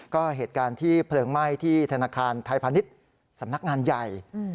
ก็เหตุการณ์ที่เพลิงไหม้ที่ธนาคารไทยพาณิชย์สำนักงานใหญ่